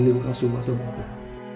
vị trò đe dọa sống trên môi trường